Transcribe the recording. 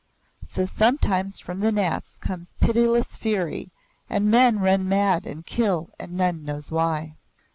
So sometimes from the Nats comes pitiless fury, and men run mad and kill and none knows why.